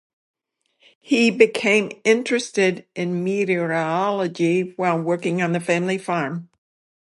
He became interested in meteorology while working on the family farm.